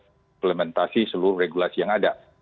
dan kemudian bisa implementasi seluruh regulasi yang ada